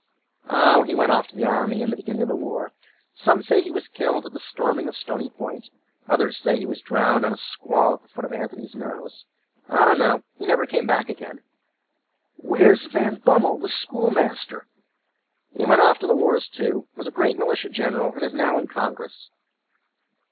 "Oh, he went off to the army in the beginning of the war; some say he was killed at the storming of Stony Point—others say he was drowned in a squall at the foot of Antony's Nose. I don't know—he never came back again.""Where's Van Bummel, the schoolmaster?""He went off to the wars too, was a great militia general, and is now in congress."